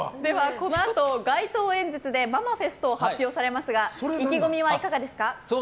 このあと、街頭演説でママフェストを発表されますが意気込みはいかがですか。